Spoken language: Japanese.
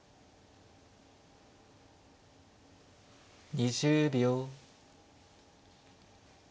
２０秒。